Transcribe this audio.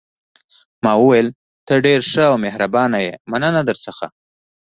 ما وویل: ته ډېره ښه او مهربانه یې، مننه درڅخه.